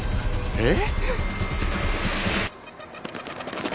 えっ？